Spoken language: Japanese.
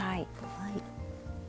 はい。